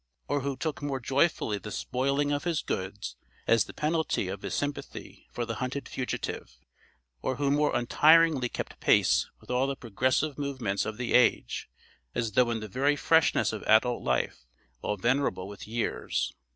Or who took more joyfully the spoiling of his goods as the penalty of his sympathy for the hunted fugitive? Or who more untiringly kept pace with all the progressive movements of the age, as though in the very freshness of adult life, while venerable with years?